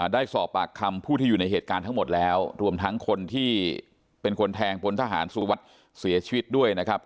ได้สอบปากคำผู้ที่อยู่ในเหตุการณ์ทั้งหมดแล้วรวมทั้งคนที่เป็นคนแทงพลทหารสุวัสดิ์เสียชีวิตด้วยนะครับ